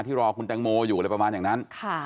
รอคุณแตงโมอยู่อะไรประมาณอย่างนั้น